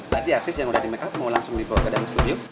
berarti artis yang udah di makeup mau langsung dibawa ke dalam studio